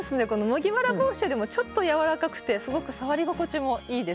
麦わら帽子よりもちょっとやわらかくてすごく触り心地もいいです。